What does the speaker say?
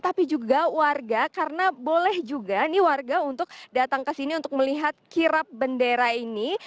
tapi juga warga karena boleh juga ini warga untuk datang ke sini untuk melihat kirap bendera ini